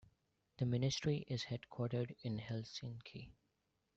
The ministry is headquartered in Helsinki.